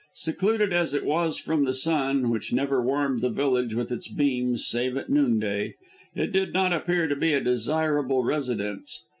Secluded as it was from the sun which never warmed the village with its beams save at noonday it did not appear to be a desirable residence.